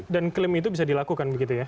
dan klaim itu bisa dilakukan begitu ya